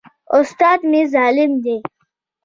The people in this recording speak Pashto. استاد مي ظالم دی.